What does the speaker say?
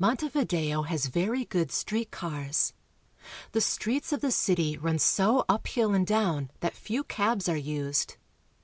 Montevideo has very good street cars. The streets of the city run so up hill and down that few cabs are used.